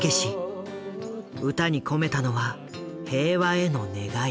歌に込めたのは「平和」への願い。